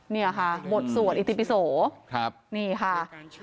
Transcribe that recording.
นี่ค่ะบทสวดอิติปิโสนี่ค่ะ